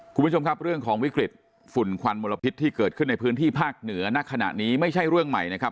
คุณผู้ชมครับเรื่องของวิกฤตฝุ่นควันมลพิษที่เกิดขึ้นในพื้นที่ภาคเหนือณขณะนี้ไม่ใช่เรื่องใหม่นะครับ